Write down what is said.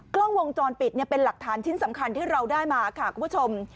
กล้องวงจรปิดเป็นหลักฐานชิ้นสำคัญที่เราได้มาค่ะคุณผู้ชม